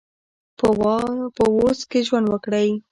په اوس کې ژوند وکړئ